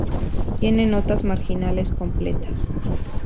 Tiene notas marginales completas.